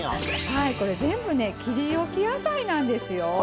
はいこれ全部ね「切りおき野菜」なんですよ。